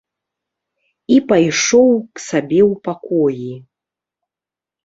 І пайшоў к сабе ў пакоі.